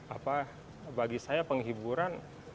apa bagi saya penghiburan